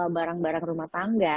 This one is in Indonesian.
barang barang rumah tangga